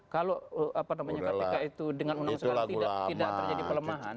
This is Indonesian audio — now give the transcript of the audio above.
kalau kpk itu dengan undang undang sekarang tidak terjadi pelemahan